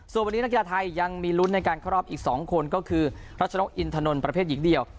ส่วนวันนี้นักกีฬาไทยยังมีลุ้นในการเข้ารอบอีก๒คนก็คือรัชนกอินทนนท์ประเภทหญิงเดียว